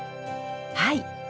はい。